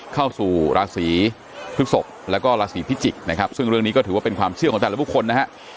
เข้าสู่ราศีพฤศพแล้วก็ราศีพิจิกษ์นะครับซึ่งเรื่องนี้ก็ถือว่าเป็นความเชื่อของแต่ละบุคคลนะฮะ